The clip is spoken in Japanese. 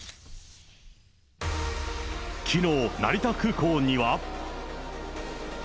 きのう、成田空港には。